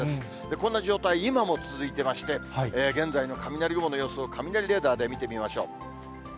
こんな状態、今も続いていまして、現在の雷雲の様子を、雷レーダーで見てみましょう。